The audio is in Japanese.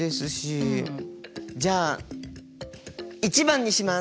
じゃあ１番にします！